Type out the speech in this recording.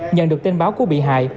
nhận được tin báo của bị hại